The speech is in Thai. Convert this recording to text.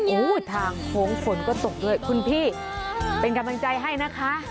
โอ้โหทางโค้งฝนก็ตกด้วยคุณพี่เป็นกำลังใจให้นะคะ